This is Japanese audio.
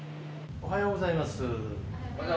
おはようございます。